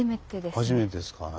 初めてですか。